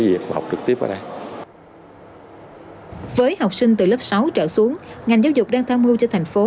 việc học trực tiếp ở đây với học sinh từ lớp sáu trở xuống ngành giáo dục đang tham mưu cho thành phố